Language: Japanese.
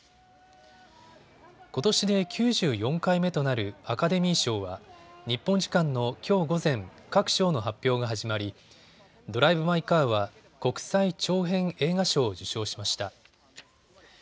ことしで９４回目となるアカデミー賞は日本時間のきょう午前各賞の発表が始まりドライブ・マイ・カーは国際長編映画賞を受賞しました。